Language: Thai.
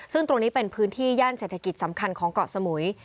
ซึ่งตรงนี้เป็นพื้นที่ย่านเศรษฐกิจสำคัญของเกาะสมุย